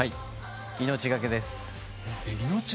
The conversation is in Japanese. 命がけです。